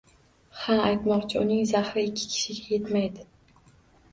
— Ha, aytmoqchi, uning zahri ikki kishiga yetmaydi...